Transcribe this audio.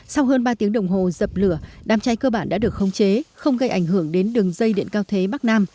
sau hơn ba tiếng đồng hồ dập lửa đám cháy cơ bản đã được khống chế không gây ảnh hưởng đến đường dây điện cao thế bắc nam